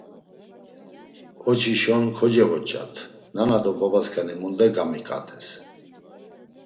Oçişon kocevoç̌at nana do babasǩani munde gamiǩates?